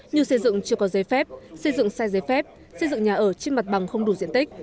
như xây dựng chưa có giấy phép xây dựng sai giấy phép xây dựng nhà ở trên mặt bằng không đủ diện tích